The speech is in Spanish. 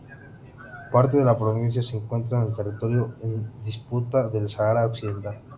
Parte de la provincia se encuentra en el territorio en disputa del Sáhara Occidental.